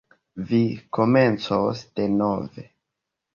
Vi komencos denove.